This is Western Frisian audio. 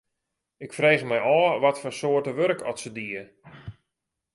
Ik frege my ôf watfoar soarte wurk oft se die.